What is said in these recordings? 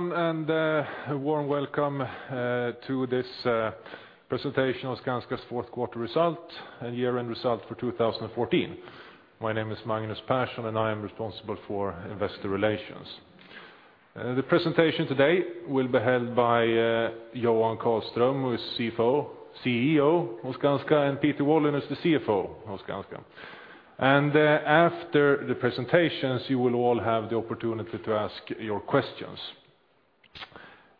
Hello, everyone, and a warm welcome to this presentation of Skanska's Fourth Quarter Result and year-end result for 2014. My name is Magnus Persson, and I am responsible for investor relations. The presentation today will be held by Johan Karlström, who is CFO, CEO of Skanska, and Peter Wallin is the CFO of Skanska. After the presentations, you will all have the opportunity to ask your questions.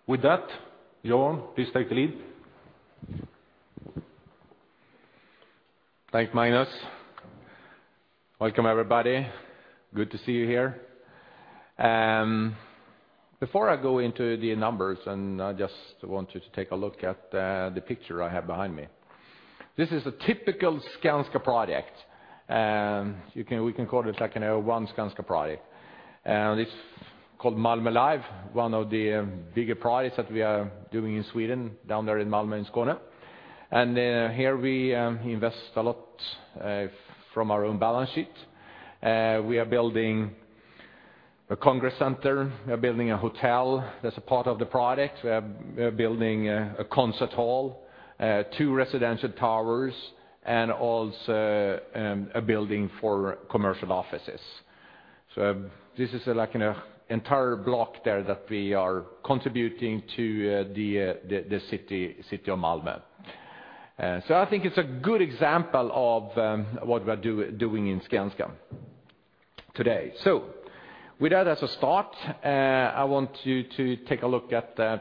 With that, Johan, please take the lead. Thanks, Magnus. Welcome, everybody. Good to see you here. Before I go into the numbers, I just want you to take a look at the picture I have behind me. This is a typical Skanska project. We can call it like, you know, one Skanska project. It's called Malmö Live, one of the bigger projects that we are doing in Sweden, down there in Malmö, in Skåne. Here we invest a lot from our own balance sheet. We are building a congress center, we are building a hotel that's a part of the project. We are building a concert hall, two residential towers, and also a building for commercial offices. So this is like an entire block there that we are contributing to the city of Malmö. So I think it's a good example of what we are doing in Skanska today. So with that as a start, I want you to take a look at the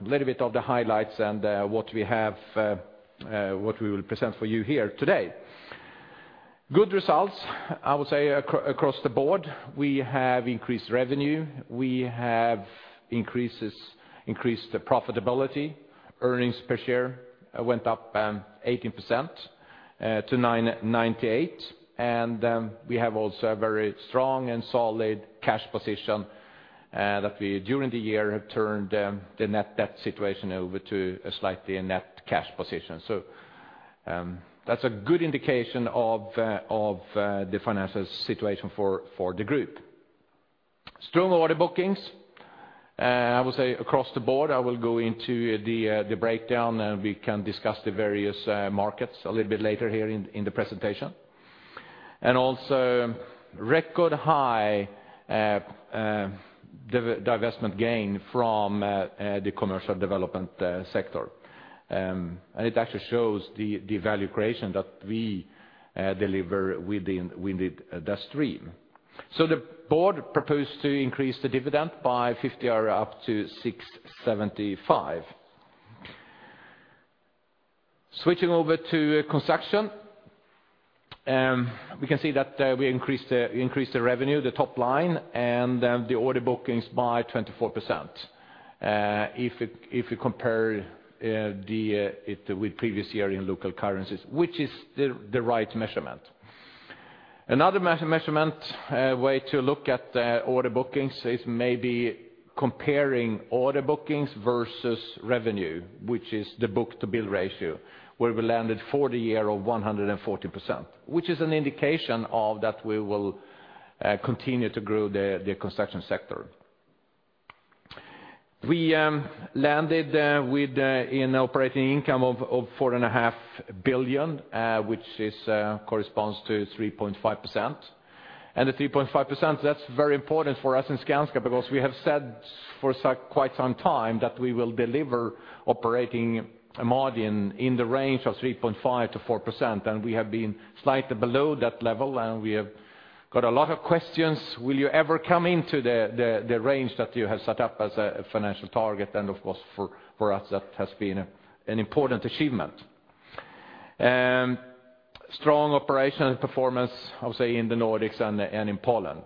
little bit of the highlights and what we will present for you here today. Good results, I would say, across the board. We have increased revenue, we have increased the profitability. Earnings per share went up 18% to 9.98, and we have also a very strong and solid cash position that we, during the year, have turned the net debt situation over to a slightly net cash position. So, that's a good indication of the financial situation for the group. Strong order bookings, I would say, across the board. I will go into the breakdown, and we can discuss the various markets a little bit later here in the presentation. And also, record high divestment gain from the commercial development sector. And it actually shows the value creation that we deliver within the stream. So the board proposed to increase the dividend by 0.50 SEK or up to 6.75. Switching over to construction, we can see that we increased the revenue, the top line, and the order bookings by 24%. If you compare with previous year in local currencies, which is the right measurement. Another measurement, way to look at the order bookings is maybe comparing order bookings versus revenue, which is the book-to-bill ratio, where we landed for the year of 140%, which is an indication of that we will continue to grow the, the construction sector. We landed with an operating income of 4.5 billion, which corresponds to 3.5%. The 3.5%, that's very important for us in Skanska, because we have said for quite some time that we will deliver operating margin in the range of 3.5%-4%, and we have been slightly below that level, and we have got a lot of questions: "Will you ever come into the range that you have set up as a financial target?" And of course, for us, that has been an important achievement. Strong operational performance, I would say, in the Nordics and in Poland.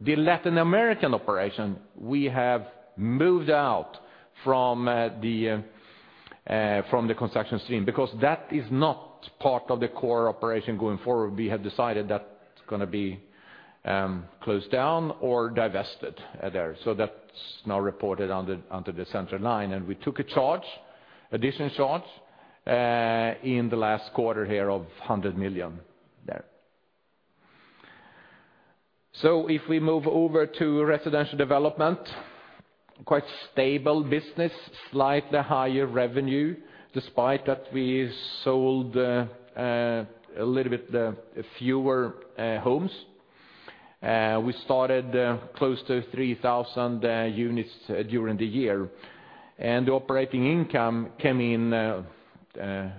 The Latin American operation, we have moved out from the construction stream, because that is not part of the core operation going forward. We have decided that's gonna be closed down or divested there. So that's now reported under the central line, and we took a charge, additional charge, in the last quarter here of 100 million there. So if we move over to residential development, quite stable business, slightly higher revenue, despite that we sold a little bit fewer homes. We started close to 3,000 units during the year. And operating income came in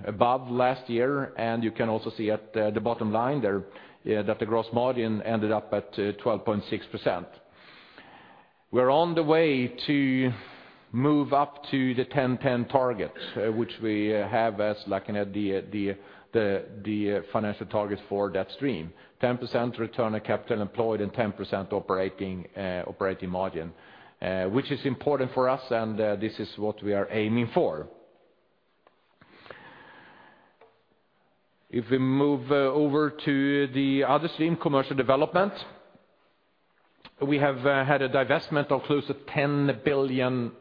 above last year, and you can also see at the bottom line there that the gross margin ended up at 12.6%. We're on the way to move up to the 10-10 target, which we have as like, you know, the financial target for that stream. 10% return on capital employed, and 10% operating margin, which is important for us, and this is what we are aiming for. If we move over to the other stream, commercial development, we have had a divestment of close to SEK 10 billion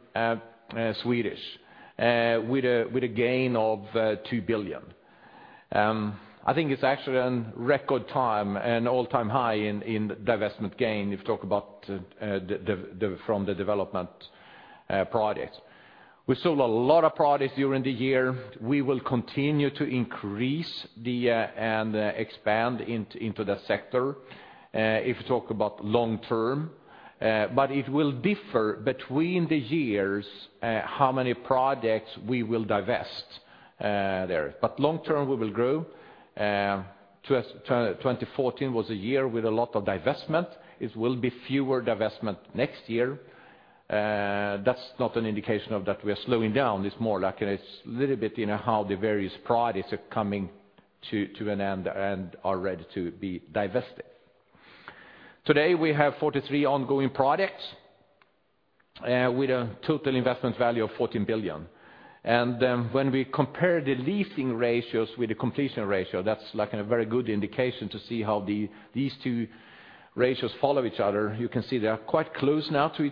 with a gain of 2 billion. I think it's actually a record time, an all-time high in divestment gain, if you talk about the gain from the development projects. We sold a lot of projects during the year. We will continue to increase and expand into the sector, if you talk about long term. But it will differ between the years, how many projects we will divest there. But long term, we will grow. 2014 was a year with a lot of divestment. It will be fewer divestment next year. That's not an indication of that we are slowing down, it's more like a little bit, you know, how the various projects are coming to an end, and are ready to be divested. Today, we have 43 ongoing projects with a total investment value of 14 billion. When we compare the leasing ratios with the completion ratio, that's like a very good indication to see how these two ratios follow each other. You can see they are quite close now to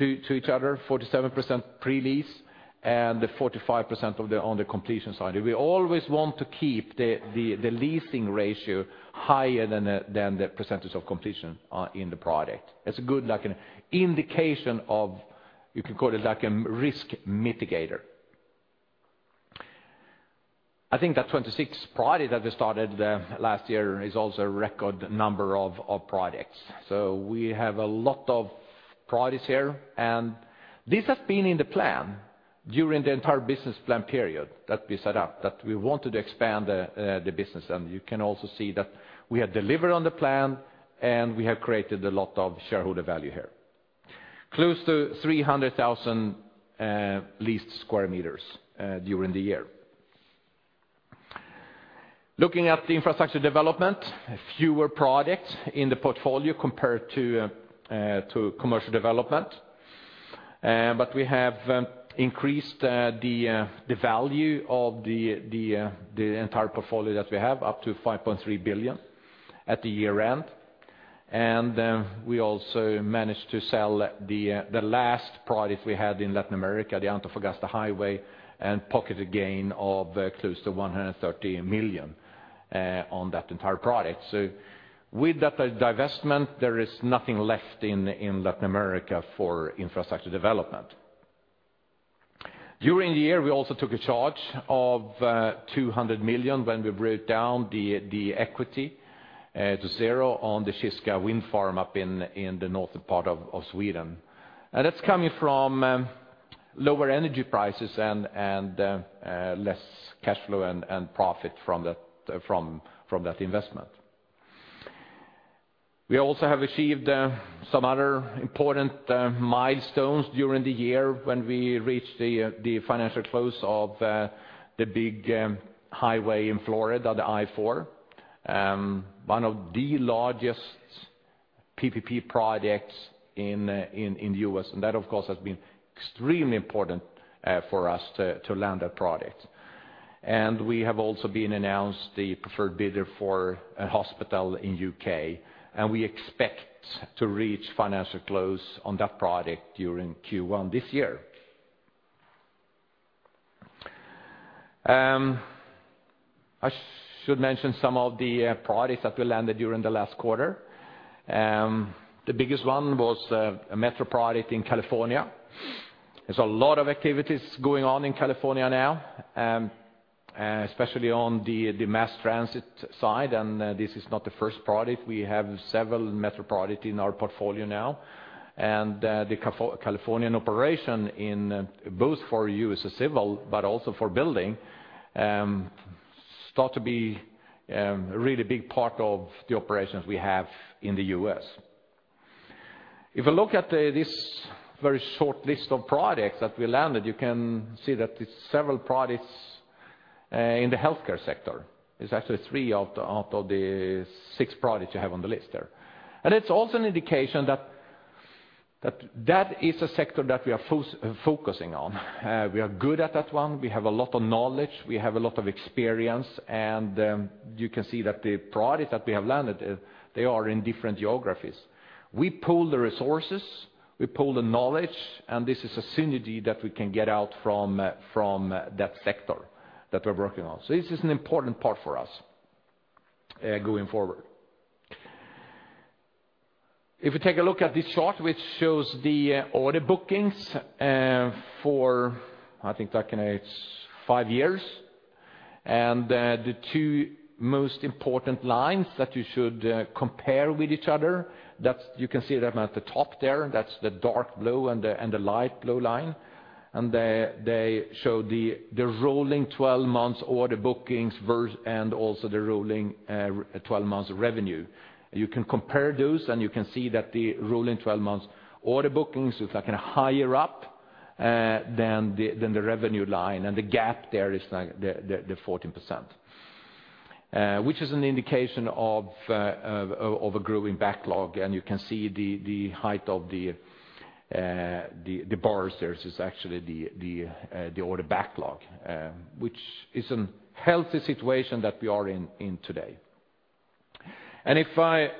each other, 47% pre-lease and 45% on the completion side. We always want to keep the leasing ratio higher than the percentage of completion in the project. It's a good, like, an indication of, you can call it like a risk mitigator. I think that 26 projects that we started last year is also a record number of projects. So we have a lot of projects here, and this has been in the plan during the entire business plan period that we set up, that we wanted to expand the business. And you can also see that we have delivered on the plan, and we have created a lot of shareholder value here. Close to 300,000 leased square meters during the year. Looking at the infrastructure development, fewer projects in the portfolio compared to commercial development. But we have increased the value of the entire portfolio that we have, up to 5.3 billion at the year-end. And, we also managed to sell the last project we had in Latin America, the Antofagasta Highway, and pocket a gain of close to 130 million on that entire project. So with that divestment, there is nothing left in Latin America for infrastructure development. During the year, we also took a charge of 200 million when we wrote down the equity to zero on the Kyska Wind Farm up in the northern part of Sweden. And that's coming from lower energy prices and less cash flow and profit from that investment. We also have achieved some other important milestones during the year when we reached the financial close of the big highway in Florida, the I-4. One of the largest PPP projects in the U.S., and that, of course, has been extremely important for us to land that project. And we have also been announced the preferred bidder for a hospital in U.K., and we expect to reach financial close on that project during Q1 this year. I should mention some of the projects that we landed during the last quarter. The biggest one was a metro project in California. There's a lot of activities going on in California now, especially on the mass transit side, and this is not the first project. We have several metro projects in our portfolio now, and the Californian operation in both for U.S. Civil, but also for Building, start to be a really big part of the operations we have in the U.S. If you look at this very short list of projects that we landed, you can see that it's several projects in the healthcare sector. It's actually three out of the six projects you have on the list there. And it's also an indication that is a sector that we are focusing on. We are good at that one. We have a lot of knowledge, we have a lot of experience, and you can see that the projects that we have landed, they are in different geographies. We pool the resources, we pool the knowledge, and this is a synergy that we can get out from that sector that we're working on. So this is an important part for us going forward. If you take a look at this chart, which shows the order bookings for I think that it's five years, and the two most important lines that you should compare with each other, that's you can see them at the top there. That's the dark blue and the light blue line, and they show the rolling 12 months order bookings versus, and also the rolling 12 months revenue. You can compare those, and you can see that the rolling 12 months order bookings is, like, higher up than the revenue line, and the gap there is, like, the 14%. which is an indication of a growing backlog, and you can see the height of the bars there is actually the order backlog, which is a healthy situation that we are in today. And if I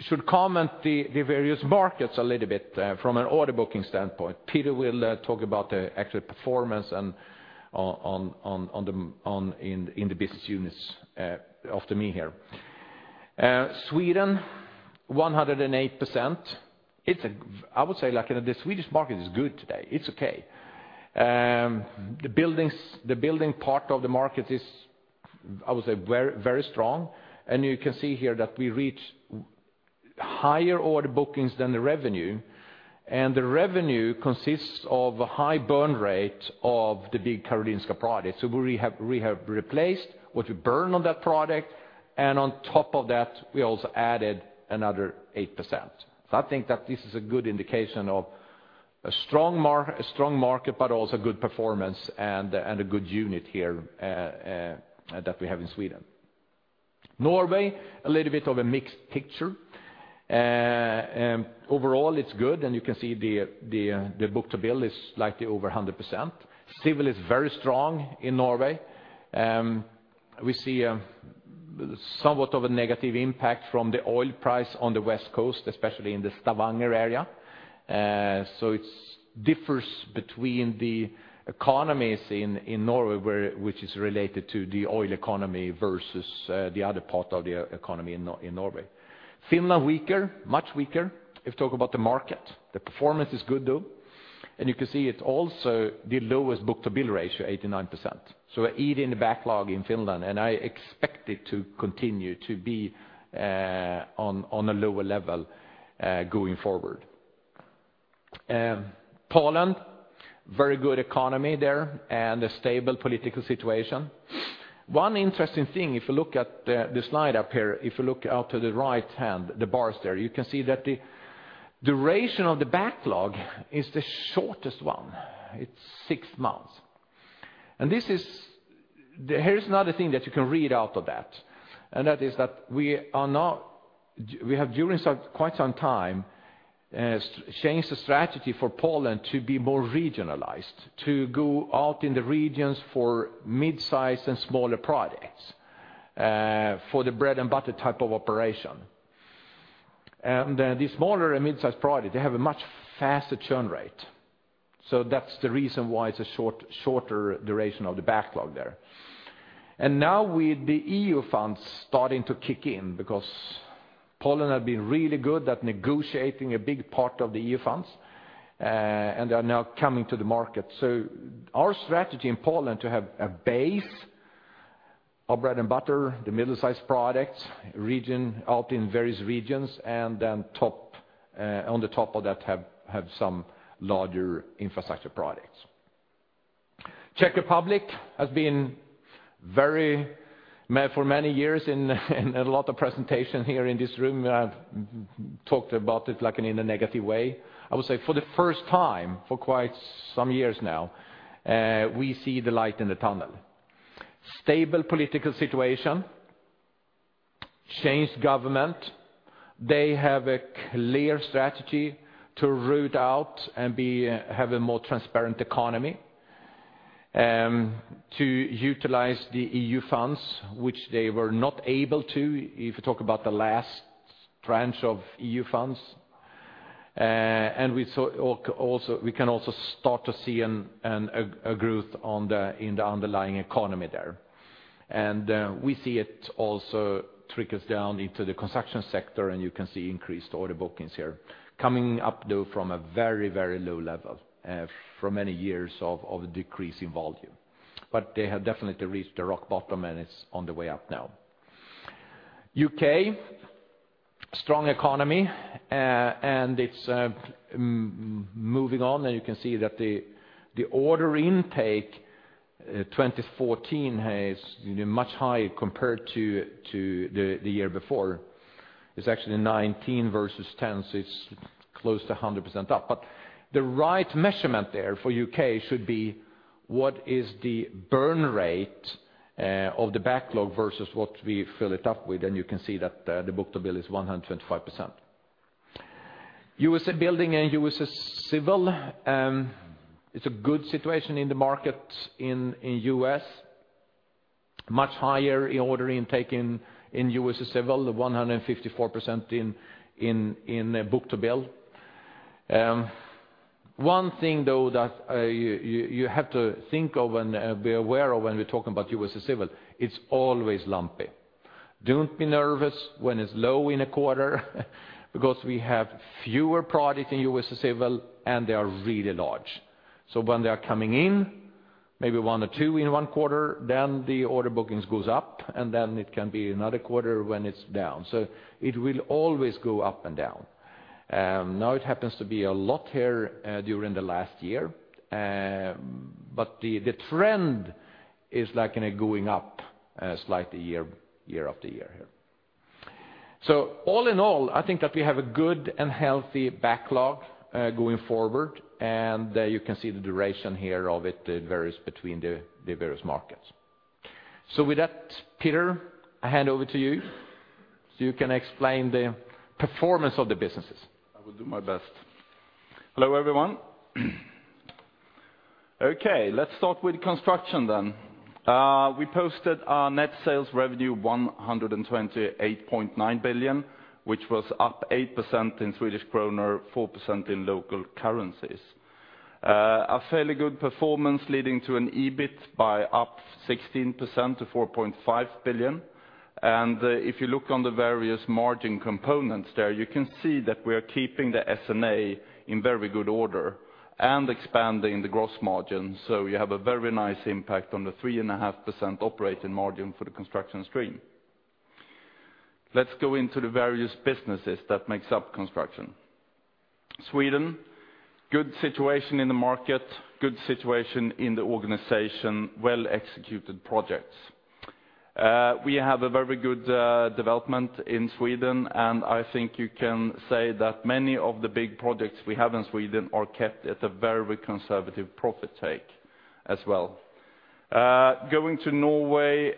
should comment the various markets a little bit, from an order booking standpoint, Peter will talk about the actual performance and the business units after me here. Sweden, 108%. I would say, like, the Swedish market is good today. It's okay. The building part of the market is, I would say, very, very strong, and you can see here that we reach higher order bookings than the revenue. And the revenue consists of a high burn rate of the big Karolinska project. So we have, we have replaced what we burn on that product, and on top of that, we also added another 8%. So I think that this is a good indication of a strong market, but also good performance and, and a good unit here that we have in Sweden. Norway, a little bit of a mixed picture. Overall, it's good, and you can see the book-to-bill is slightly over 100%. Civil is very strong in Norway. We see somewhat of a negative impact from the oil price on the west coast, especially in the Stavanger area. So it differs between the economies in Norway, which is related to the oil economy versus the other part of the economy in Norway. Finland, weaker, much weaker, if you talk about the market. The performance is good, though, and you can see it's also the lowest book-to-bill ratio, 89%. So we're eating the backlog in Finland, and I expect it to continue to be on a lower level going forward. Poland, very good economy there, and a stable political situation. One interesting thing, if you look at the slide up here, if you look out to the right hand, the bars there, you can see that the duration of the backlog is the shortest one. It's six months. And this is... Here's another thing that you can read out of that, and that is that we have, during quite some time, changed the strategy for Poland to be more regionalized, to go out in the regions for midsize and smaller projects, for the bread-and-butter type of operation. And, the smaller and midsize projects, they have a much faster churn rate, so that's the reason why it's a shorter duration of the backlog there. And now, with the EU funds starting to kick in, because Poland have been really good at negotiating a big part of the EU funds, and they are now coming to the market. So our strategy in Poland, to have a base of bread and butter, the middle-sized products, region, out in various regions, and then top, on the top of that, have some larger infrastructure products. Czech Republic has been very, for many years, in a lot of presentation here in this room, I've talked about it, like, in a negative way. I would say for the first time, for quite some years now, we see the light in the tunnel. Stable political situation, changed government. They have a clear strategy to root out and have a more transparent economy, to utilize the EU funds, which they were not able to, if you talk about the last tranche of EU funds. And we saw also, we can also start to see a growth in the underlying economy there. And we see it also trickles down into the construction sector, and you can see increased order bookings here, coming up, though, from a very, very low level, for many years of decreasing volume. But they have definitely reached the rock bottom, and it's on the way up now. U.K., strong economy, and it's moving on, and you can see that the order intake 2014 has, you know, much higher compared to the year before. It's actually 19 versus 10, so it's close to 100% up. But the right measurement there for U.K. should be what is the burn rate of the backlog versus what we fill it up with, and you can see that the book-to-bill is 125%. USA Building and USA Civil, it's a good situation in the market in U.S. Much higher order intake in USA Civil, the 154% in book-to-bill. One thing, though, that you have to think of and be aware of when we talk about USA Civil, it's always lumpy. Don't be nervous when it's low in a quarter, because we have fewer products in USA Civil, and they are really large. So when they are coming in, maybe one or two in one quarter, then the order bookings goes up, and then it can be another quarter when it's down. So it will always go up and down. Now it happens to be a lot here during the last year, but the trend is, like, going up slightly year after year here. So all in all, I think that we have a good and healthy backlog going forward, and you can see the duration here of it. It varies between the various markets. So with that, Peter, I hand over to you so you can explain the performance of the businesses. I will do my best. Hello, everyone. Okay, let's start with construction then. We posted our net sales revenue 128.9 billion, which was up 8% in Swedish krona, 4% in local currencies. A fairly good performance leading to an EBIT up 16% to 4.5 billion. If you look on the various margin components there, you can see that we are keeping the SG&A in very good order and expanding the gross margin. So you have a very nice impact on the 3.5% operating margin for the construction stream. Let's go into the various businesses that makes up construction. Sweden, good situation in the market, good situation in the organization, well-executed projects. We have a very good development in Sweden, and I think you can say that many of the big projects we have in Sweden are kept at a very conservative profit take as well. Going to Norway,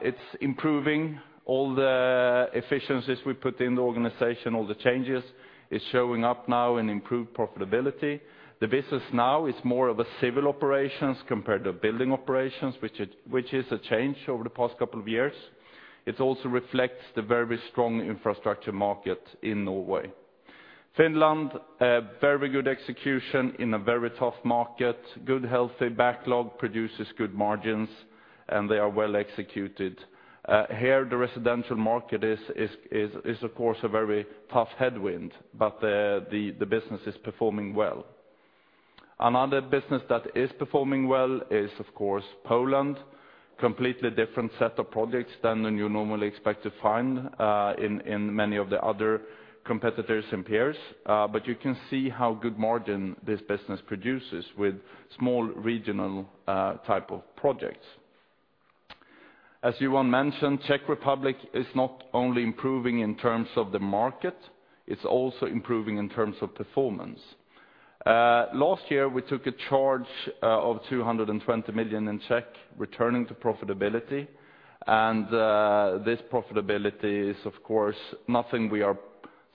it's improving. All the efficiencies we put in the organization, all the changes, is showing up now in improved profitability. The business now is more of a civil operations compared to building operations, which is a change over the past couple of years. It also reflects the very strong infrastructure market in Norway. Finland, a very good execution in a very tough market. Good, healthy backlog produces good margins, and they are well executed. Here, the residential market is, of course, a very tough headwind, but the business is performing well. Another business that is performing well is, of course, Poland. Completely different set of projects than you normally expect to find in many of the other competitors and peers, but you can see how good margin this business produces with small regional type of projects. As Johan mentioned, Czech Republic is not only improving in terms of the market, it's also improving in terms of performance. Last year, we took a charge of 200 million in Czech, returning to profitability, and this profitability is, of course, nothing we are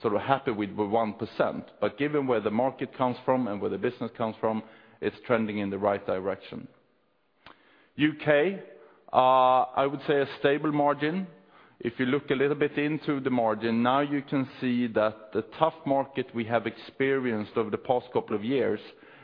sort of happy with, with 1%. But given where the market comes from and where the business comes from, it's trending in the right direction. U.K., I would say a stable margin. If you look a little bit into the margin, now you can see that the tough market we have experienced over the past couple of years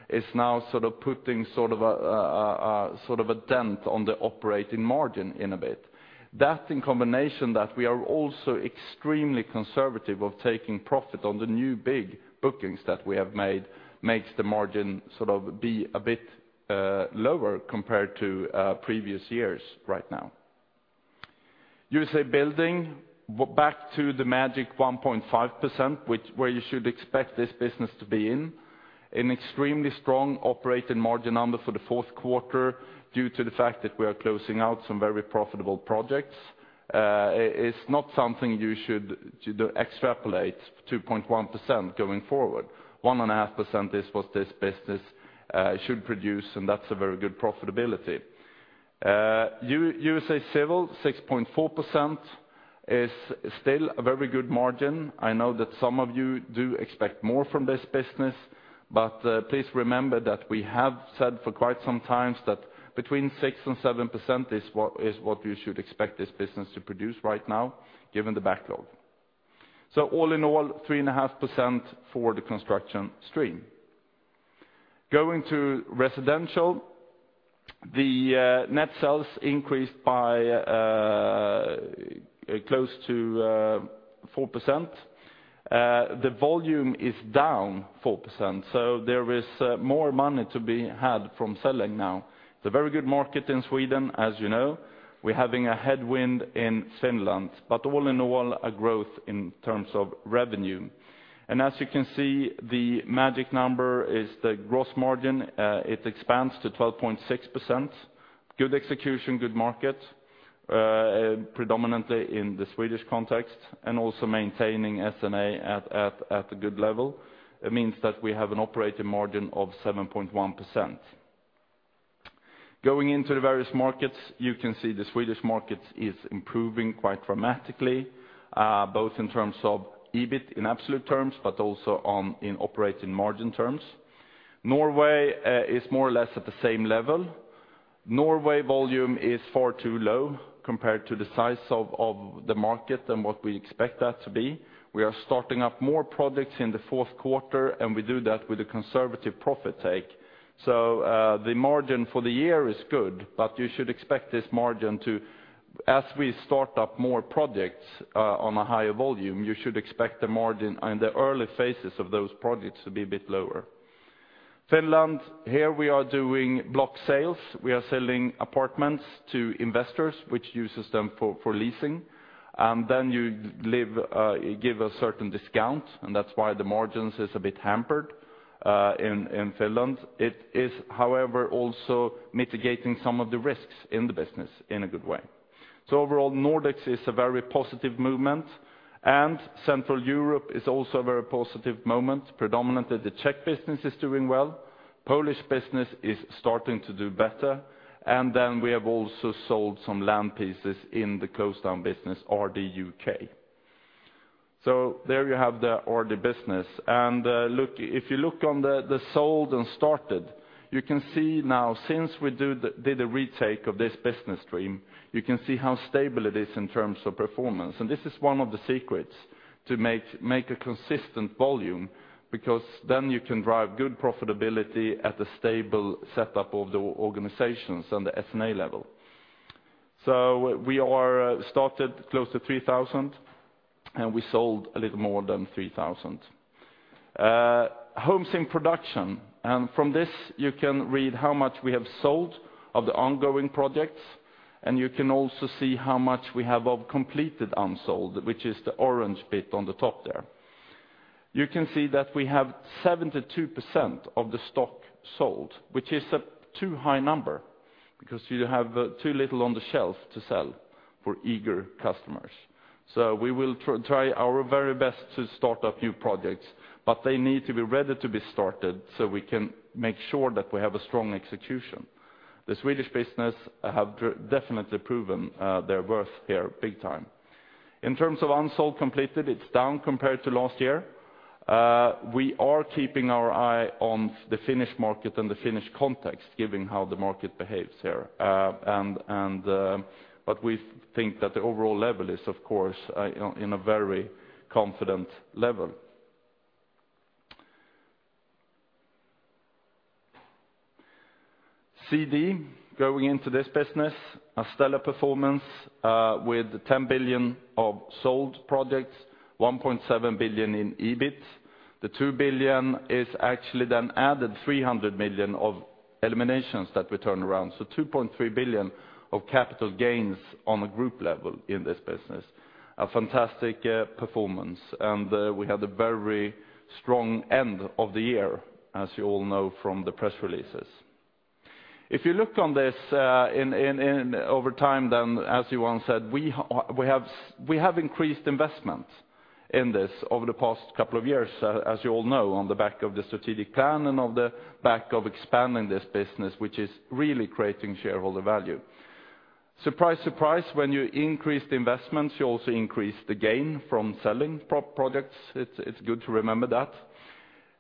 is now sort of putting sort of a dent on the operating margin a bit. That, in combination, we are also extremely conservative of taking profit on the new big bookings that we have made, makes the margin sort of be a bit lower compared to previous years right now. USA Building, we're back to the magic 1.5%, which is where you should expect this business to be in. An extremely strong operating margin number for the fourth quarter, due to the fact that we are closing out some very profitable projects. It's not something you should extrapolate 2.1% going forward. 1.5% is what this business should produce, and that's a very good profitability. USA Civil, 6.4% is still a very good margin. I know that some of you do expect more from this business, but please remember that we have said for quite some times that between 6%-7% is what, is what you should expect this business to produce right now, given the backlog. So all in all, 3.5% for the construction stream. Going to residential, the net sales increased by close to 4%. The volume is down 4%, so there is more money to be had from selling now. It's a very good market in Sweden, as you know. We're having a headwind in Finland, but all in all, a growth in terms of revenue. And as you can see, the magic number is the gross margin. It expands to 12.6%. Good execution, good market, predominantly in the Swedish context, and also maintaining SG&A at a good level. It means that we have an operating margin of 7.1%. Going into the various markets, you can see the Swedish market is improving quite dramatically, both in terms of EBIT in absolute terms, but also in operating margin terms. Norway is more or less at the same level. Norway volume is far too low compared to the size of the market than what we expect that to be. We are starting up more products in the fourth quarter, and we do that with a conservative profit take. So, the margin for the year is good, but you should expect this margin to... As we start up more projects, on a higher volume, you should expect the margin on the early phases of those projects to be a bit lower. Finland, here we are doing block sales. We are selling apartments to investors, which uses them for leasing. And then you live, give a certain discount, and that's why the margins is a bit hampered, in Finland. It is, however, also mitigating some of the risks in the business in a good way. So overall, Nordics is a very positive movement, and Central Europe is also a very positive moment. Predominantly, the Czech business is doing well, Polish business is starting to do better, and then we have also sold some land pieces in the close down business, RD U.K. So there you have the order business. And, look, if you look on the, the sold and started, you can see now since we did a retake of this business stream, you can see how stable it is in terms of performance. And this is one of the secrets to make a consistent volume, because then you can drive good profitability at a stable setup of the organizations on the S&A level. So we are started close to 3,000, and we sold a little more than 3,000. Homes in production, and from this, you can read how much we have sold of the ongoing projects, and you can also see how much we have of completed unsold, which is the orange bit on the top there. You can see that we have 72% of the stock sold, which is a too high number, because you have too little on the shelf to sell for eager customers. So we will try, try our very best to start up new projects, but they need to be ready to be started so we can make sure that we have a strong execution. The Swedish business have definitely proven their worth here big time. In terms of unsold completed, it's down compared to last year. We are keeping our eye on the Finnish market and the Finnish context, given how the market behaves here. But we think that the overall level is, of course, in a very confident level. CD, going into this business, a stellar performance with 10 billion of sold projects, 1.7 billion in EBIT. The 2 billion is actually then added 300 million of eliminations that we turn around. So 2.3 billion of capital gains on a group level in this business. A fantastic performance, and we had a very strong end of the year, as you all know from the press releases. If you look on this, in over time, then as Johan said, we have increased investment in this over the past couple of years, as you all know, on the back of the strategic plan and on the back of expanding this business, which is really creating shareholder value. Surprise, surprise, when you increase the investments, you also increase the gain from selling projects. It's good to remember that.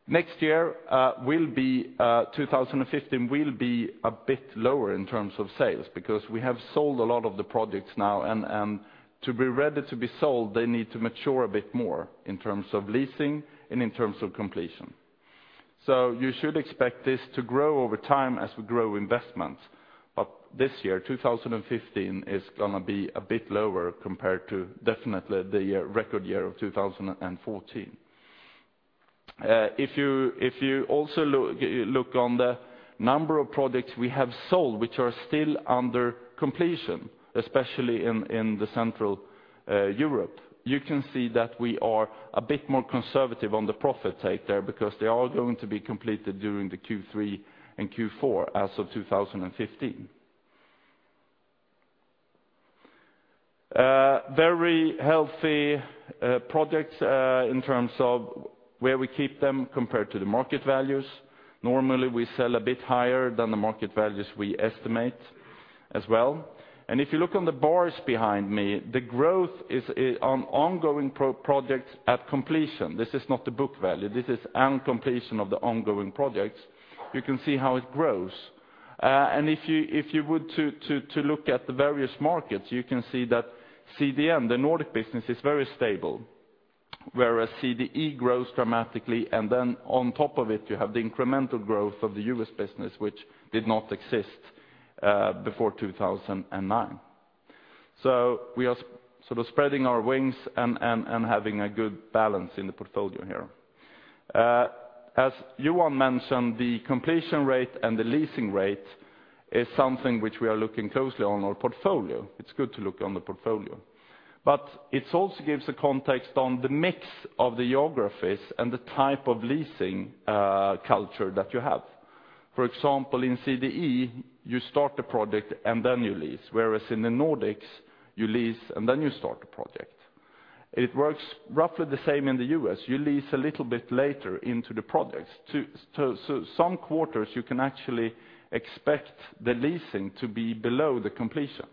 Next year, 2015 will be a bit lower in terms of sales, because we have sold a lot of the projects now, and to be ready to be sold, they need to mature a bit more in terms of leasing and in terms of completion. So you should expect this to grow over time as we grow investments. But this year, 2015, is gonna be a bit lower compared to definitely the year, record year of 2014. If you also look on the number of products we have sold, which are still under completion, especially in Central Europe, you can see that we are a bit more conservative on the profit take there because they are going to be completed during the Q3 and Q4 as of 2015. Very healthy projects in terms of where we keep them compared to the market values. Normally, we sell a bit higher than the market values we estimate as well. And if you look on the bars behind me, the growth is on ongoing projects at completion. This is not the book value, this is on completion of the ongoing projects. You can see how it grows. And if you were to look at the various markets, you can see that CDN, the Nordic business, is very stable, whereas CDE grows dramatically, and then on top of it, you have the incremental growth of the U.S. business, which did not exist, before 2009. So we are sort of spreading our wings and having a good balance in the portfolio here. As Johan mentioned, the completion rate and the leasing rate is something which we are looking closely on our portfolio. It's good to look on the portfolio. But it also gives a context on the mix of the geographies and the type of leasing culture that you have. For example, in CDE, you start the project and then you lease, whereas in the Nordics, you lease and then you start the project. It works roughly the same in the U.S. You lease a little bit later into the projects. To, so some quarters, you can actually expect the leasing to be below the completion.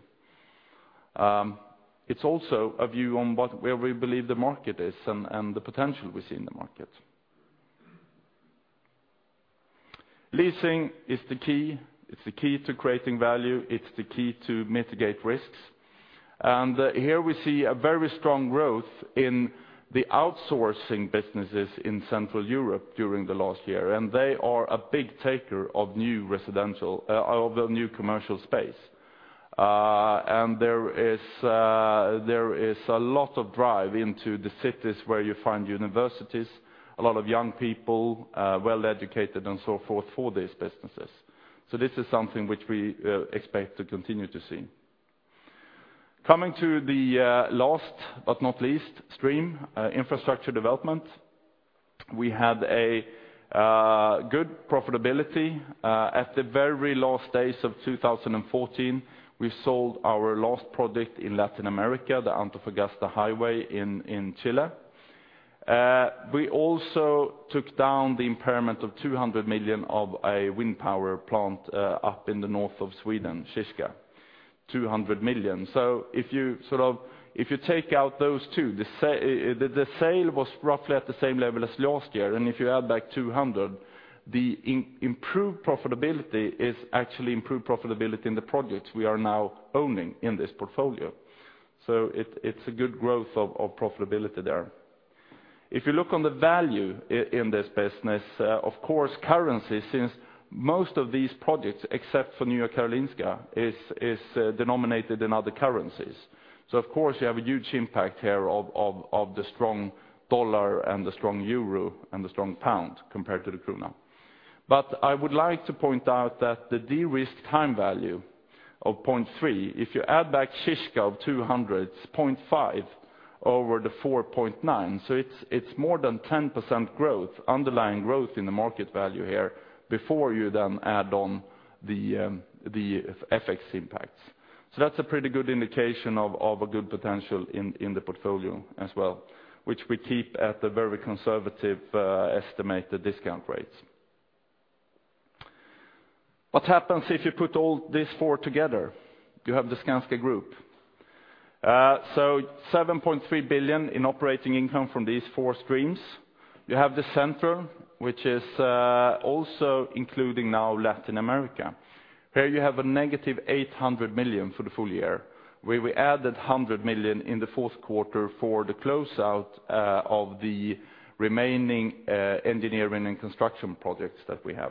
It's also a view on what, where we believe the market is and the potential we see in the market. Leasing is the key. It's the key to creating value. It's the key to mitigate risks. And here we see a very strong growth in the outsourcing businesses in Central Europe during the last year, and they are a big taker of new residential, of the new commercial space. And there is, there is a lot of drive into the cities where you find universities, a lot of young people, well-educated, and so forth, for these businesses. So this is something which we expect to continue to see. Coming to the last but not least, stream, infrastructure development. We had a good profitability. At the very last days of 2014, we sold our last product in Latin America, the Antofagasta Highway in Chile. We also took down the impairment of 200 million of a wind power plant up in the north of Sweden, Kyska, 200 million. So if you, sort of, if you take out those two, the the sale was roughly at the same level as last year, and if you add back 200 million, the improved profitability is actually improved profitability in the projects we are now owning in this portfolio. So it, it's a good growth of, of profitability there. If you look on the value in this business, of course, currency, since most of these projects, except for Nya Karolinska, is, is denominated in other currencies. So of course, you have a huge impact here of, of, of the strong dollar and the strong euro, and the strong pound compared to the krona. But I would like to point out that the de-risked time value of 0.3, if you add back Kyska of 200 million, it's 0.5 over the 4.9. So it's, it's more than 10% growth, underlying growth in the market value here, before you then add on the, the FX impacts. So that's a pretty good indication of, of a good potential in, in the portfolio as well, which we keep at a very conservative, estimated discount rates. What happens if you put all these four together? You have the Skanska Group. So 7.3 billion in operating income from these four streams. You have the center, which is, also including now Latin America. Here, you have a negative 800 million for the full year, where we added 100 million in the fourth quarter for the closeout, of the remaining, engineering and construction projects that we have.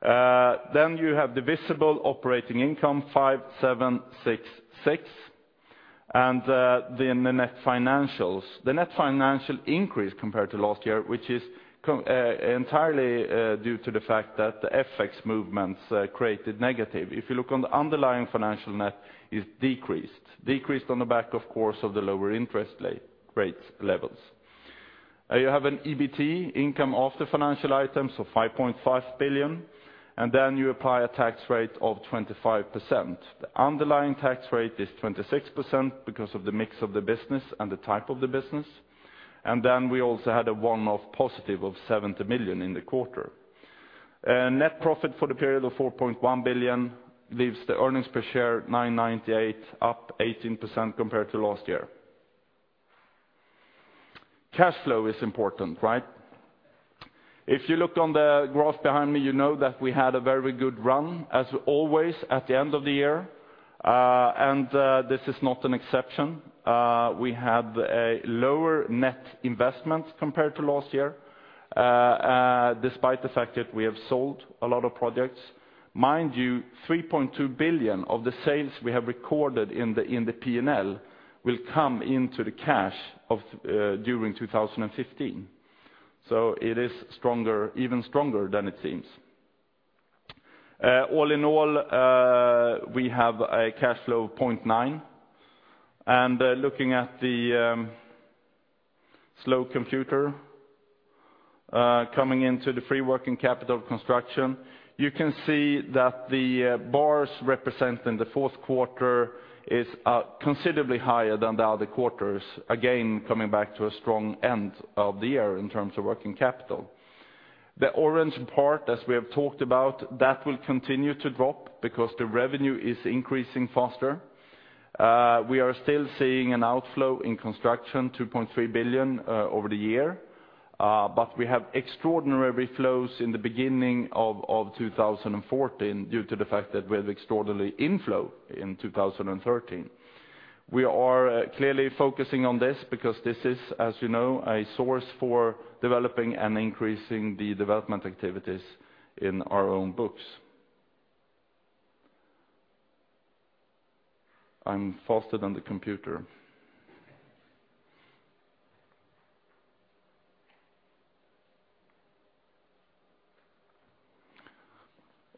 Then you have the visible operating income, 5,766, and, then the net financials. The net financial increased compared to last year, which is entirely due to the fact that the FX movements created negative. If you look on the underlying financial net, it's decreased. Decreased on the back, of course, of the lower interest rate levels. You have an EBT income of the financial items of 5.5 billion, and then you apply a tax rate of 25%. The underlying tax rate is 26% because of the mix of the business and the type of the business. And then we also had a one-off positive of 70 million in the quarter. Net profit for the period of 4.1 billion leaves the earnings per share 9.98, up 18% compared to last year. Cash flow is important, right? If you look on the graph behind me, you know that we had a very good run, as always, at the end of the year, and this is not an exception. We had a lower net investment compared to last year, despite the fact that we have sold a lot of projects. Mind you, 3.2 billion of the sales we have recorded in the P&L will come into the cash flow during 2015. So it is stronger, even stronger than it seems. All in all, we have a cash flow of 0.9 billion, and looking at the flow chart coming into the free working capital construction, you can see that the bars representing the fourth quarter are considerably higher than the other quarters, again coming back to a strong end of the year in terms of working capital. The orange part, as we have talked about, that will continue to drop because the revenue is increasing faster. We are still seeing an outflow in construction, 2.3 billion, over the year, but we have extraordinary flows in the beginning of 2014 due to the fact that we have extraordinary inflow in 2013. We are clearly focusing on this because this is, as you know, a source for developing and increasing the development activities in our own books. I'm faster than the computer.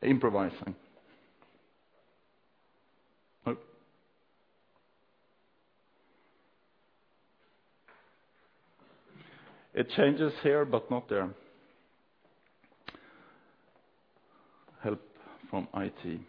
Improvising. Oh. It changes here, but not there. Help from IT. Okay,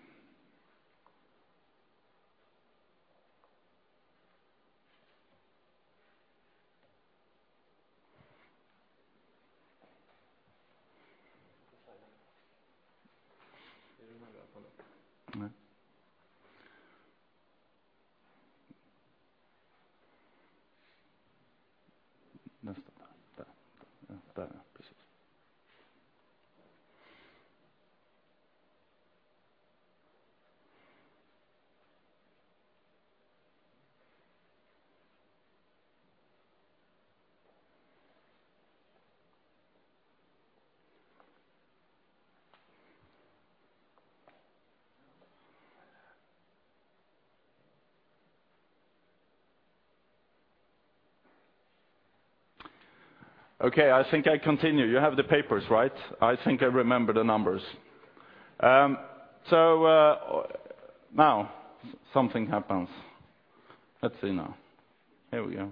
I think I continue. You have the papers, right? I think I remember the numbers. Now something happens. Let's see now. Here we go...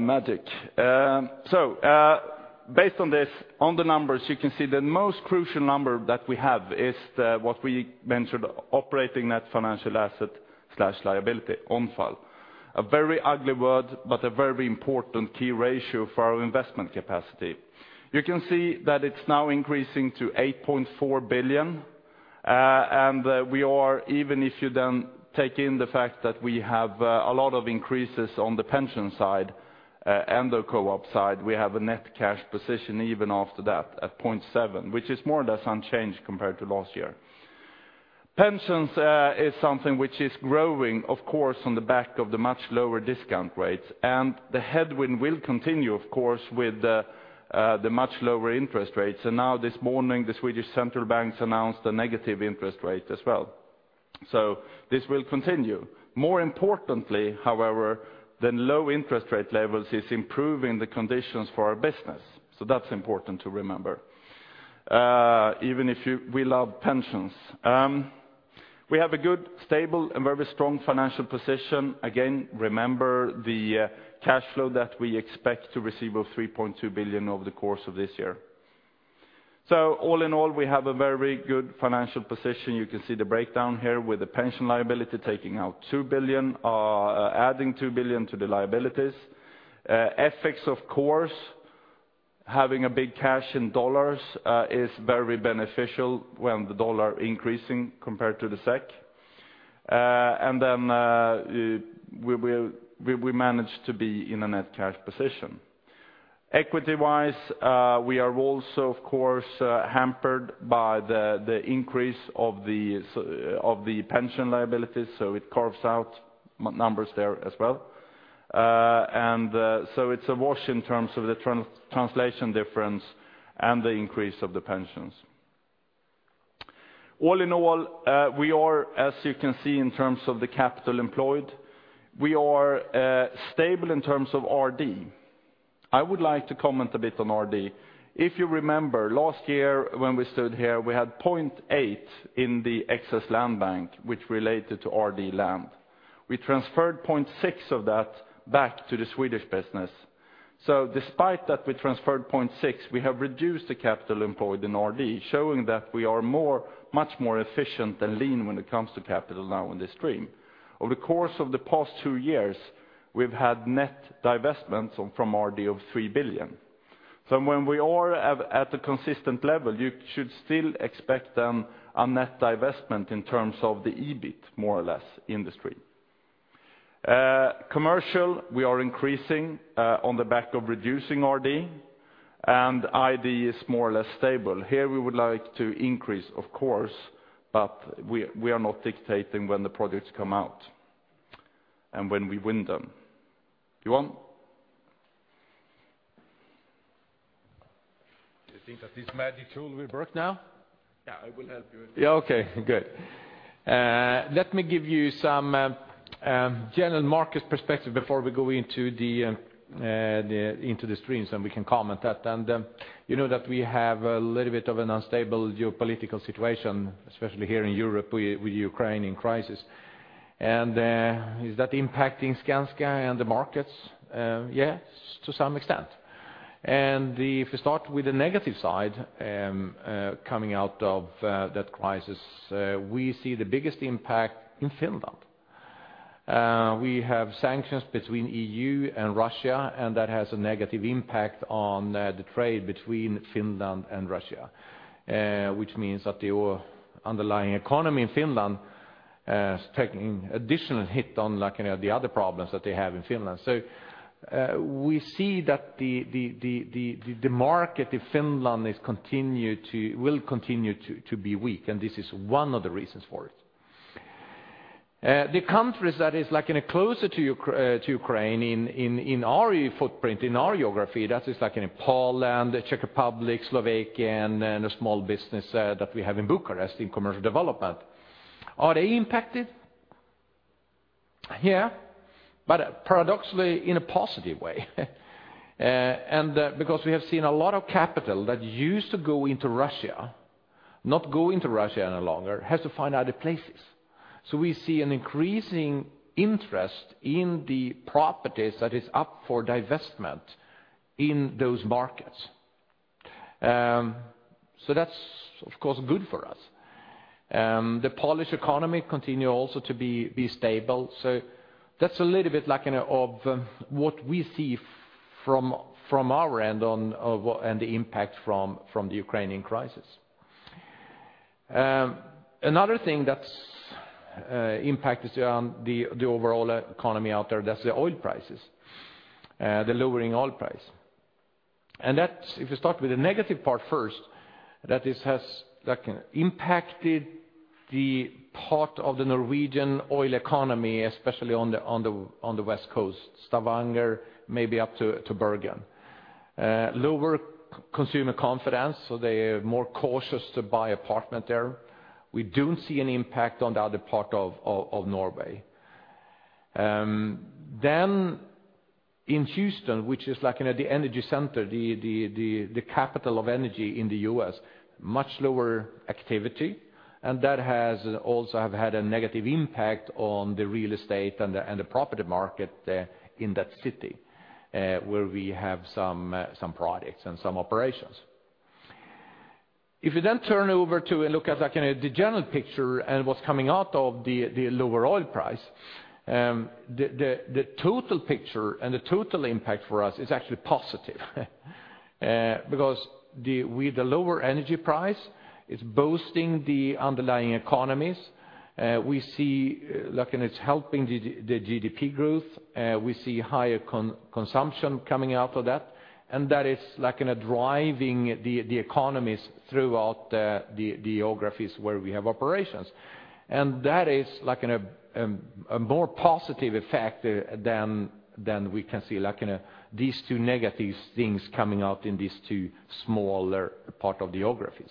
magic. Based on this, on the numbers, you can see the most crucial number that we have is the, what we mentioned, operating net financial asset/liability, ONFL. A very ugly word, but a very important key ratio for our investment capacity. You can see that it's now increasing to 8.4 billion. And, we are, even if you then take in the fact that we have a lot of increases on the pension side, and the co-op side, we have a net cash position even after that, at 0.7, which is more or less unchanged compared to last year. Pensions is something which is growing, of course, on the back of the much lower discount rates, and the headwind will continue, of course, with the much lower interest rates. And now this morning, the Swedish Central Bank announced a negative interest rate as well. So this will continue. More importantly, however, the low interest rate levels is improving the conditions for our business, so that's important to remember, even if we love pensions. We have a good, stable, and very strong financial position. Again, remember the cash flow that we expect to receive of 3.2 billion over the course of this year. So all in all, we have a very good financial position. You can see the breakdown here with the pension liability, taking out 2 billion, adding 2 billion to the liabilities. FX, of course, having a big cash in dollars, is very beneficial when the dollar increasing compared to the SEK. And then, we manage to be in a net cash position. Equity-wise, we are also, of course, hampered by the increase of the pension liabilities, so it carves out numbers there as well. And so it's a wash in terms of the translation difference and the increase of the pensions. All in all, we are, as you can see, in terms of the capital employed, we are, stable in terms of RD. I would like to comment a bit on RD. If you remember, last year when we stood here, we had 0.8 in the excess land bank, which related to RD land. We transferred 0.6 of that back to the Swedish business. So despite that we transferred 0.6, we have reduced the capital employed in RD, showing that we are more, much more efficient and lean when it comes to capital now in this stream. Over the course of the past two years, we've had net divestments from RD of 3 billion. So when we are at, at a consistent level, you should still expect, a net divestment in terms of the EBIT, more or less, industry. Commercial, we are increasing on the back of reducing RD, and ID is more or less stable. Here we would like to increase, of course, but we, we are not dictating when the projects come out and when we win them. Johan? You think that this magic tool will work now? Yeah, I will help you. Yeah, okay, good. Let me give you some general market perspective before we go into the streams, and we can comment that. You know that we have a little bit of an unstable geopolitical situation, especially here in Europe, with Ukraine in crisis. Is that impacting Skanska and the markets? Yes, to some extent. If you start with the negative side, coming out of that crisis, we see the biggest impact in Finland. We have sanctions between EU and Russia, and that has a negative impact on the trade between Finland and Russia, which means that the underlying economy in Finland is taking additional hit on, like, you know, the other problems that they have in Finland. So, we see that the market in Finland will continue to be weak, and this is one of the reasons for it. The countries that is, like, in a closer to Ukraine in our footprint, in our geography, that is like in Poland, the Czech Republic, Slovakia, and a small business that we have in Bucharest, in commercial development. Are they impacted? Yeah, but paradoxically, in a positive way. And because we have seen a lot of capital that used to go into Russia, not go into Russia any longer, has to find other places. So we see an increasing interest in the properties that is up for divestment in those markets. So that's, of course, good for us. The Polish economy continue also to be stable, so that's a little bit like, you know, of what we see from our end, and the impact from the Ukrainian crisis. Another thing that's impacted the overall economy out there, that's the oil prices, the lowering oil price. And that's, if you start with the negative part first, that this has, like, impacted the part of the Norwegian oil economy, especially on the west coast, Stavanger, maybe up to Bergen. Lower consumer confidence, so they are more cautious to buy apartment there. We don't see an impact on the other part of Norway. Then in Houston, which is like, you know, the energy center, the capital of energy in the U.S., much lower activity. And that has also had a negative impact on the real estate and the property market in that city where we have some products and some operations. If you then turn over to and look at like in the general picture and what's coming out of the lower oil price, the total picture and the total impact for us is actually positive. Because with the lower energy price, it's boosting the underlying economies. We see, like, it's helping the GDP growth, we see higher consumption coming out of that, and that is like in a driving the economies throughout the geographies where we have operations. That is like in a a more positive effect than we can see, like in a these two negative things coming out in these two smaller part of geographies.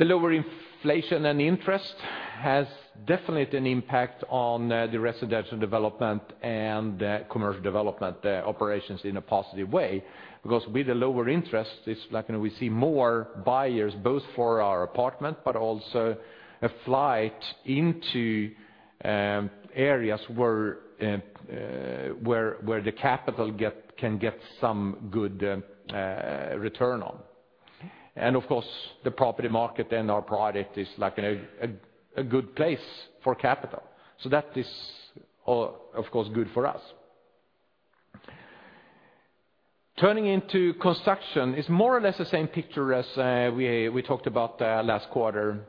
The lower inflation and interest has definitely an impact on, the residential development and, commercial development, operations in a positive way. Because with the lower interest, it's like when we see more buyers, both for our apartment, but also a flight into, areas where, where the capital can get some good, return on. And of course, the property market and our product is like in a good place for capital. So that is, of course, good for us. Turning into construction, it's more or less the same picture as, we talked about, last quarter.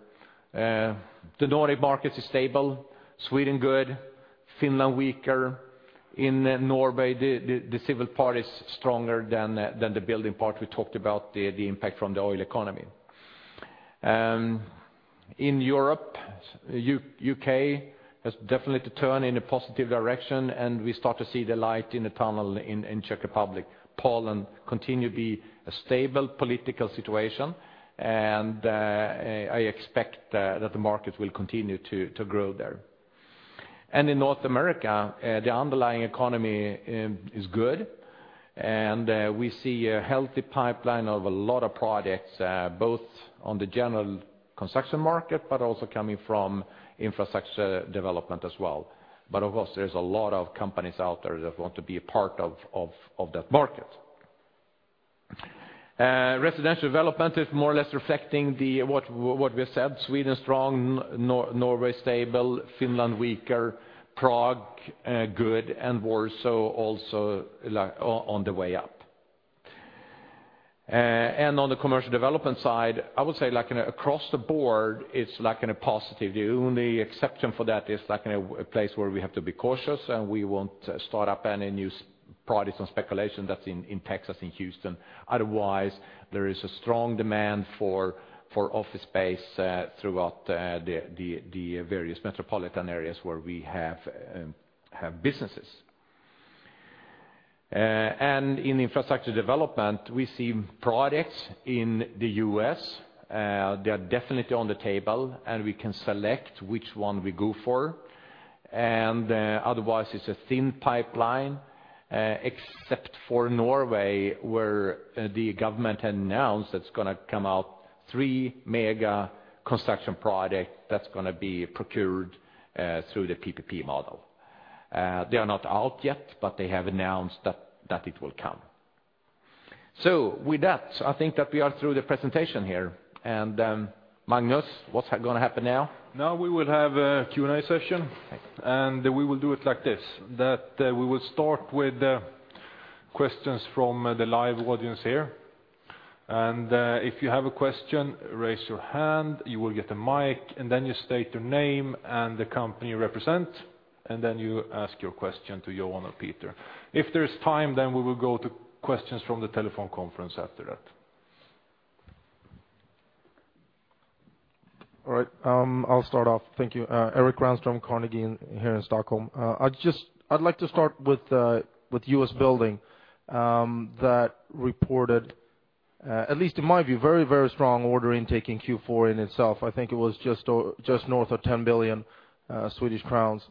The Nordic markets is stable, Sweden good, Finland weaker. In Norway, the civil part is stronger than the building part. We talked about the impact from the oil economy. In Europe, U.K. has definitely to turn in a positive direction, and we start to see the light in the tunnel in Czech Republic. Poland continue to be a stable political situation, and I expect that the market will continue to grow there. And in North America, the underlying economy is good, and we see a healthy pipeline of a lot of projects both on the general construction market, but also coming from infrastructure development as well. But of course, there's a lot of companies out there that want to be a part of that market. Residential development is more or less reflecting the... What we have said, Sweden strong, Norway stable, Finland weaker, Prague good, and Warsaw also like on the way up. And on the commercial development side, I would say, like across the board, it's positive. The only exception for that is like in a place where we have to be cautious, and we won't start up any new projects and speculation that's in Texas, in Houston. Otherwise, there is a strong demand for office space throughout the various metropolitan areas where we have businesses. And in infrastructure development, we see projects in the U.S., they are definitely on the table, and we can select which one we go for. Otherwise, it's a thin pipeline, except for Norway, where the government announced it's gonna come out three mega construction project that's gonna be procured through the PPP model. They are not out yet, but they have announced that, that it will come. So with that, I think that we are through the presentation here. Magnus, what's gonna happen now? Now we will have a Q&A session. Okay. We will do it like this, that, we will start with questions from the live audience here. If you have a question, raise your hand, you will get a mic, and then you state your name and the company you represent, and then you ask your question to Johan or Peter. If there is time, then we will go to questions from the telephone conference after that. All right, I'll start off. Thank you. Erik Granström, Carnegie, here in Stockholm. I'd like to start with U.S. Building that reported, at least in my view, very, very strong order intake in Q4 in itself. I think it was just north of 10 billion Swedish crowns.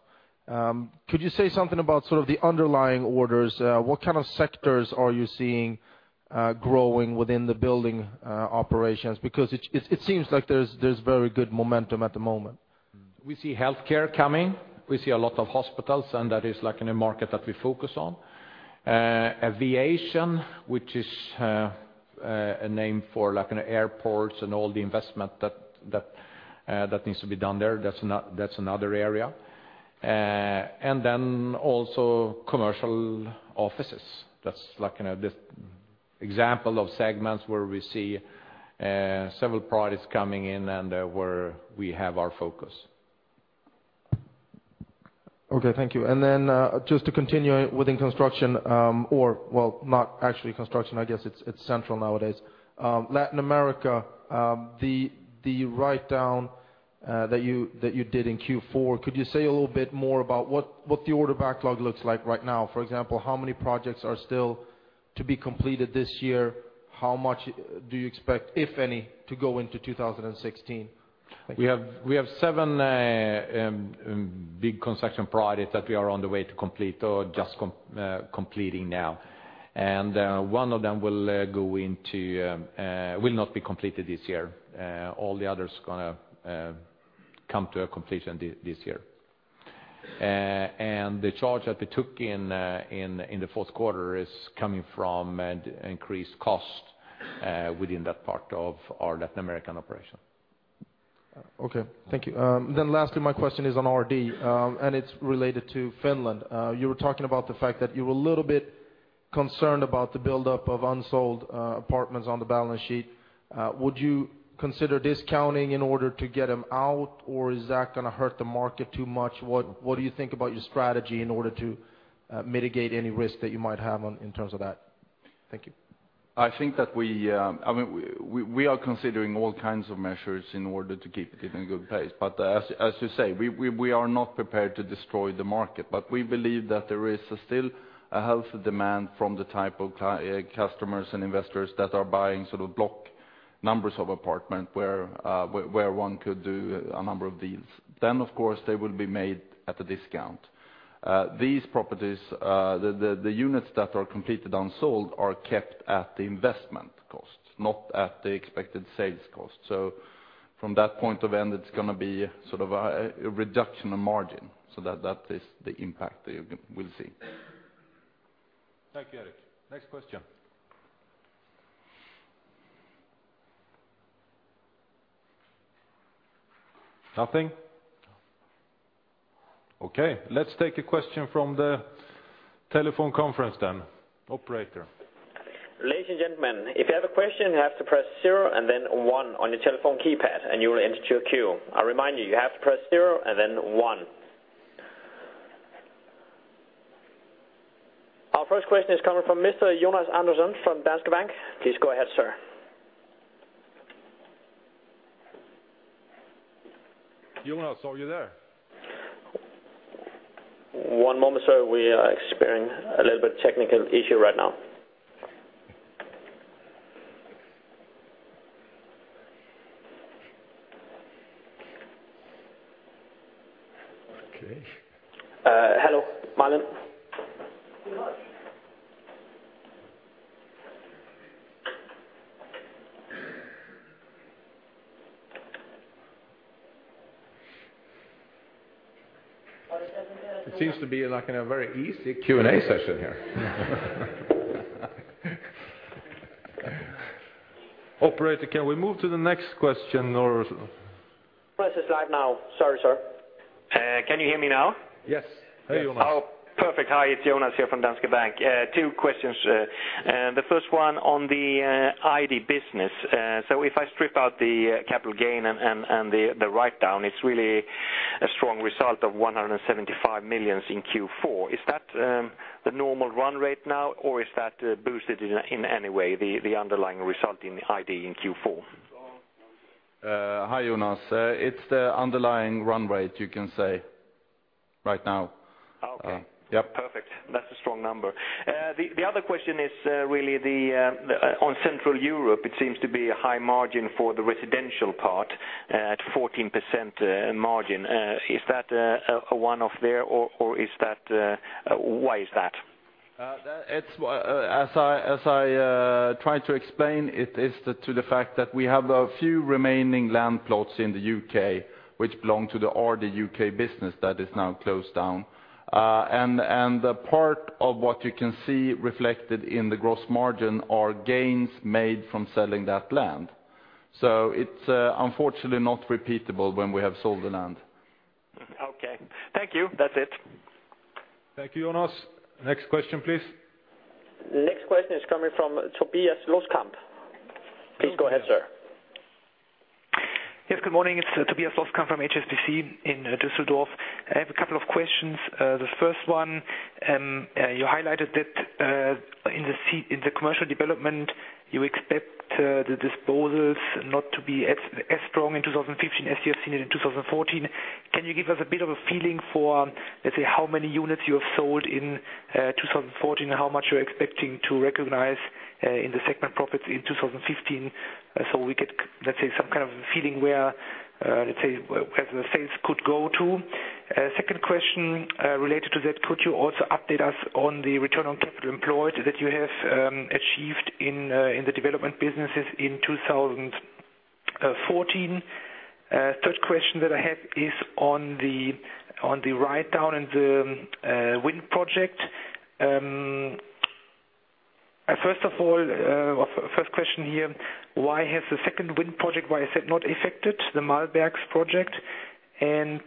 Could you say something about sort of the underlying orders? What kind of sectors are you seeing growing within the building operations? Because it seems like there's very good momentum at the moment. We see healthcare coming, we see a lot of hospitals, and that is like in a market that we focus on. Aviation, which is a name for like in airports and all the investment that needs to be done there, that's another area. And then also commercial offices. That's like, you know, the example of segments where we see several products coming in and where we have our focus. Okay, thank you. And then, just to continue within construction, or well, not actually construction, I guess it's central nowadays. Latin America, the write-down that you did in Q4, could you say a little bit more about what the order backlog looks like right now? For example, how many projects are still to be completed this year? How much do you expect, if any, to go into 2016?... We have seven big construction projects that we are on the way to complete or just completing now. One of them will go into, will not be completed this year. All the others gonna come to a completion this year. The charge that we took in the fourth quarter is coming from an increased cost within that part of our Latin American operation. Okay, thank you. Then lastly, my question is on RD, and it's related to Finland. You were talking about the fact that you were a little bit concerned about the buildup of unsold apartments on the balance sheet. Would you consider discounting in order to get them out, or is that gonna hurt the market too much? What do you think about your strategy in order to mitigate any risk that you might have on in terms of that? Thank you. I think that we, I mean, we are considering all kinds of measures in order to keep it in a good place. But as you say, we are not prepared to destroy the market. But we believe that there is still a healthy demand from the type of customers and investors that are buying sort of block numbers of apartment, where one could do a number of deals. Then, of course, they will be made at a discount. These properties, the units that are completely unsold are kept at the investment cost, not at the expected sales cost. So from that point of view, it's gonna be sort of a reduction in margin. So that is the impact that you will see. Thank you, Erik. Next question. Nothing? Okay, let's take a question from the telephone conference then. Operator? Ladies and gentlemen, if you have a question, you have to press zero and then one on your telephone keypad, and you will enter your queue. I remind you, you have to press zero and then one. Our first question is coming from Mr. Jonas Andersson from Danske Bank. Please go ahead, sir. Jonas, are you there? One moment, sir. We are experiencing a little bit technical issue right now. Okay. Hello, Magnus? It seems to be like in a very easy Q&A session here. Operator, can we move to the next question, or? Press is live now. Sorry, sir. Can you hear me now? Yes. Hi, Jonas. Oh, perfect. Hi, it's Jonas here from Danske Bank. Two questions. The first one on the ID business. So if I strip out the capital gain and the write down, it's really a strong result of 175 million in Q4. Is that the normal run rate now, or is that boosted in any way, the underlying result in the ID in Q4? Hi, Jonas. It's the underlying run rate, you can say, right now. Okay. Yep. Perfect. That's a strong number. The other question is really on Central Europe. It seems to be a high margin for the residential part at 14% in margin. Is that a one-off there, or is that... Why is that? That it's, as I try to explain, it is to the fact that we have a few remaining land plots in the U.K., which belong to the RD U.K. business that is now closed down. And a part of what you can see reflected in the gross margin are gains made from selling that land. So it's unfortunately not repeatable when we have sold the land. Okay. Thank you. That's it. Thank you, Jonas. Next question, please. Next question is coming from Tobias Loskamp. Please go ahead, sir. Yes, good morning. It's Tobias Loskamp from HSBC in Düsseldorf. I have a couple of questions. The first one, you highlighted that, in the commercial development, you expect, the disposals not to be as, as strong in 2015 as you have seen it in 2014. Can you give us a bit of a feeling for, let's say, how many units you have sold in, 2014, and how much you're expecting to recognize, in the segment profits in 2015? So we get, let's say, some kind of a feeling where, let's say, where the sales could go to. Second question, related to that, could you also update us on the return on capital employed that you have, achieved in, in the development businesses in 2014? Third question that I have is on the write-down in the wind project. First of all, first question here, why has the second wind project, why is it not affected, the Mullbergs project? And,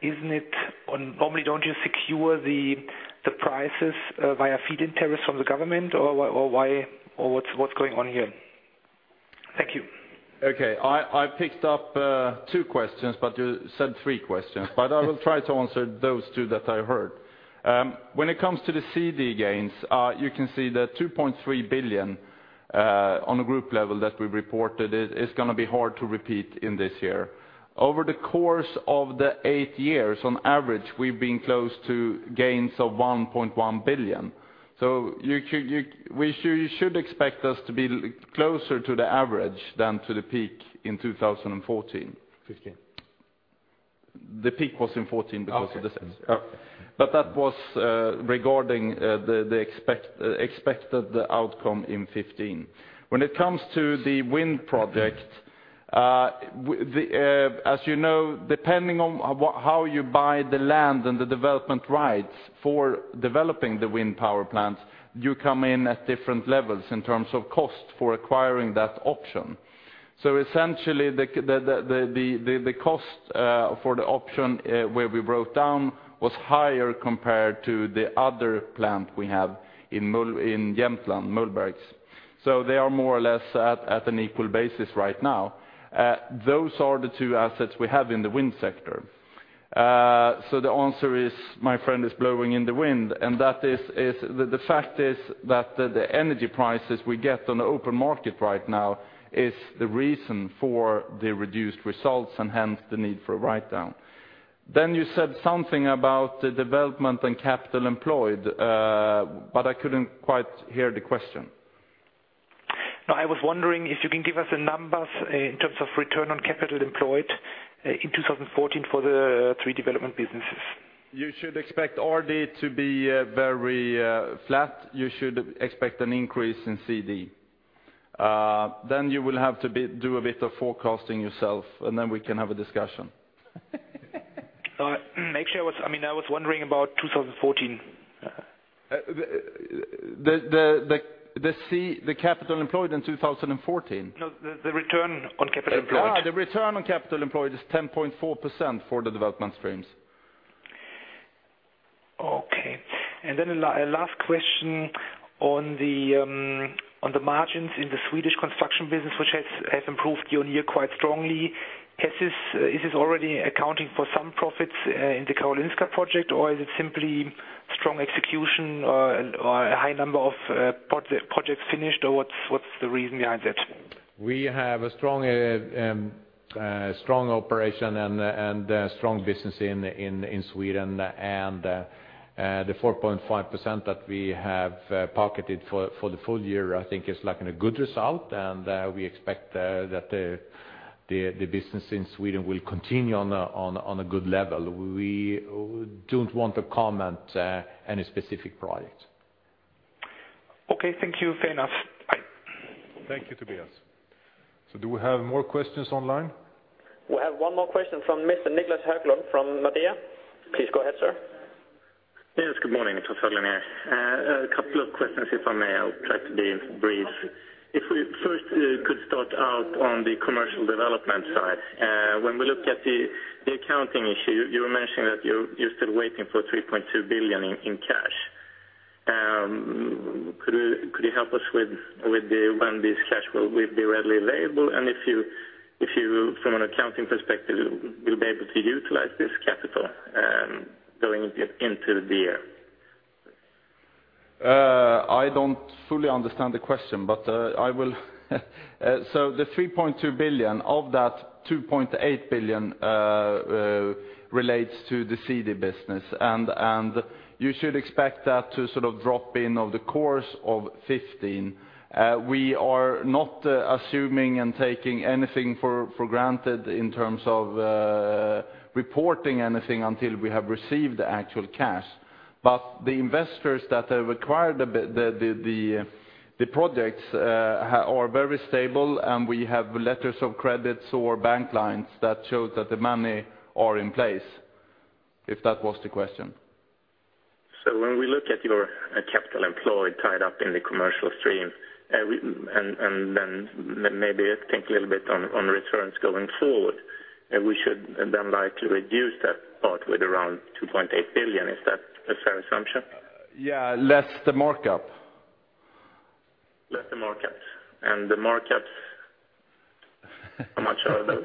isn't it... Or normally, don't you secure the prices via feed-in tariffs from the government, or why, or what's going on here? Thank you. Okay. I picked up two questions, but you said three questions. But I will try to answer those two that I heard. When it comes to the CD gains, you can see the 2.3 billion on a group level that we reported is gonna be hard to repeat in this year. Over the course of the eight years, on average, we've been close to gains of 1.1 billion. So you should expect us to be closer to the average than to the peak in 2014. 2015. ...The peak was in 2014 because of this. Yeah, but that was regarding the expected outcome in 2015. When it comes to the wind project, as you know, depending on how you buy the land and the development rights for developing the wind power plants, you come in at different levels in terms of cost for acquiring that option. So essentially, the cost for the option where we broke down was higher compared to the other plant we have in Jämtland, Mullbergs. So they are more or less at an equal basis right now. Those are the two assets we have in the wind sector. So the answer is, my friend, is blowing in the wind, and that is the fact that the energy prices we get on the open market right now is the reason for the reduced results and hence the need for a write-down. Then you said something about the development and capital employed, but I couldn't quite hear the question. No, I was wondering if you can give us the numbers in terms of return on capital employed in 2014 for the three development businesses. You should expect RD to be very flat. You should expect an increase in CD. Then you will have to do a bit of forecasting yourself, and then we can have a discussion. All right. Actually, I mean, I was wondering about 2014. The capital employed in 2014? No, the return on capital employed. Ah, the return on capital employed is 10.4% for the development streams. Okay. And then last question on the margins in the Swedish construction business, which has improved year-on-year quite strongly. Is this already accounting for some profits in the Karolinska project, or is it simply strong execution, or a high number of projects finished, or what's the reason behind that? We have a strong strong operation and strong business in Sweden, and the 4.5% that we have pocketed for the full year, I think, is like in a good result, and we expect that the business in Sweden will continue on a good level. We don't want to comment any specific project. Okay, thank you. Fair enough. Bye. Thank you, Tobias. So do we have more questions online? We have one more question from Mr. Niclas Höglund from Nordea. Please go ahead, sir. Yes, good morning, first of all. A couple of questions, if I may. I'll try to be brief. If we first could start out on the commercial development side, when we look at the accounting issue, you were mentioning that you're still waiting for 3.2 billion in cash. Could you help us with when this cash will be readily available? And if you, from an accounting perspective, will be able to utilize this capital going into the year? I don't fully understand the question, but, I will... So the 3.2 billion, of that 2.8 billion, relates to the CD business, and, and you should expect that to sort of drop in over the course of 2015. We are not assuming and taking anything for, for granted in terms of, reporting anything until we have received the actual cash. But the investors that have acquired the, the projects, are very stable, and we have letters of credits or bank lines that shows that the money are in place, if that was the question. When we look at your capital employed tied up in the commercial stream, and then maybe think a little bit on returns going forward, and we should then likely reduce that part with around 2.8 billion. Is that a fair assumption? Yeah, less the markup. Less the markup. The markups, how much are those?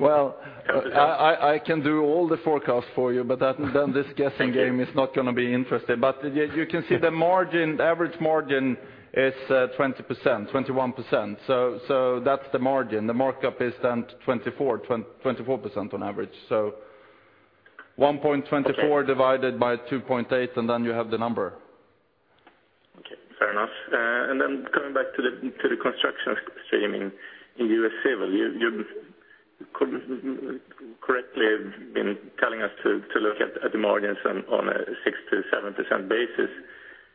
Well, I can do all the forecasts for you, but that, then this guessing game- Thank you. is not going to be interesting. But you can see the margin, the average margin is 20%, 21%. So, that's the margin. The markup is then 24, 24% on average. So 1.24- Okay. - divided by 2.8, and then you have the number. Okay, fair enough. And then coming back to the construction stream in U.S. Civil, you correctly have been telling us to look at the margins on a 6%-7% basis.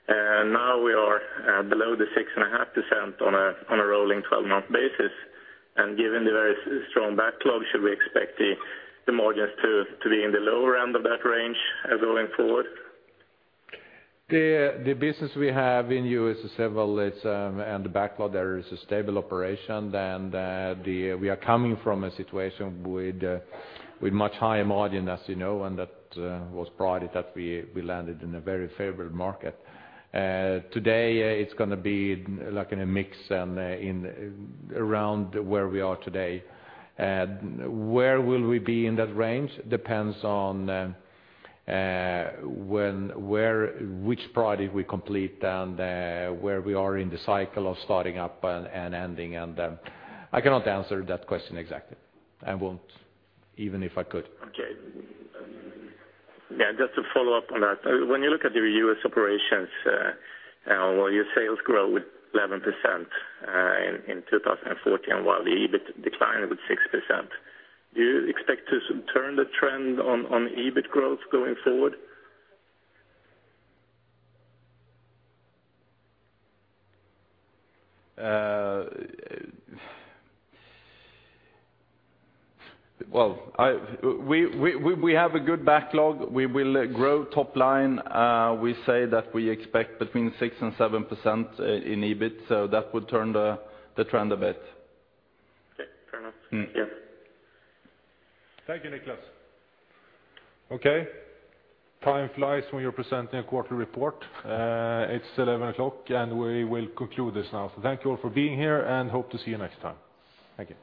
Now we are below the 6.5% on a rolling 12-month basis, and given the very strong backlog, should we expect the margins to be in the lower end of that range going forward? The business we have in U.S. Civil, it's, and the backlog there is a stable operation, and we are coming from a situation with much higher margin, as you know, and that was pride that we landed in a very favorable market. Today, it's gonna be like in a mix and, in, around where we are today. Where will we be in that range? Depends on when, where, which project we complete and where we are in the cycle of starting up and ending, and I cannot answer that question exactly. I won't, even if I could. Okay. Yeah, just to follow up on that, when you look at your U.S. operations, well, your sales grew 11% in 2014, while the EBIT declined with 6%. Do you expect to turn the trend on EBIT growth going forward? Well, we have a good backlog. We will grow top line. We say that we expect between 6% and 7% in EBIT, so that would turn the trend a bit. Okay, fair enough. Mm-hmm. Thank you. Thank you, Niclas. Okay. Time flies when you're presenting a quarterly report. It's 11:00 A.M., and we will conclude this now. So thank you all for being here, and hope to see you next time. Thank you.